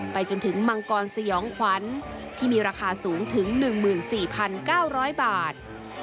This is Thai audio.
จนถึงมังกรสยองขวัญที่มีราคาสูงถึง๑๔๙๐๐บาท